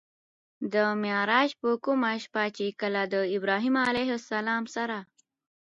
د معراج په کومه شپه چې کله د ابراهيم عليه السلام سره